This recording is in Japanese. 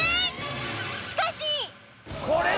［しかし］